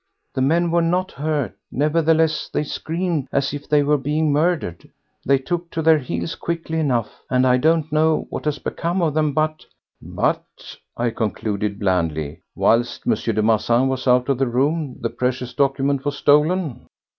The men were not hurt; nevertheless they screamed as if they were being murdered. They took to their heels quickly enough, and I don't know what has become of them, but ..." "But," I concluded blandly, "whilst M. de Marsan was out of the room the precious document was stolen."